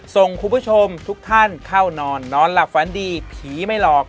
ส่งคุณผู้ชมทุกท่านเข้านอนนอนหลับฝันดีผีไม่หลอก